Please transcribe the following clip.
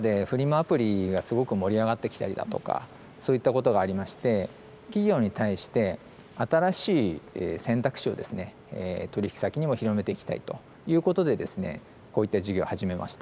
アプリがすごく盛り上がってきたりだとかそういったこともありまして企業に対して新しい選択肢を取引先にも広めていきたいということでこういった事業を始めました。